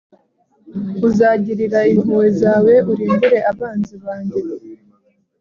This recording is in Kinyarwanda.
uzagirira impuhwe zawe urimbure abanzi banjye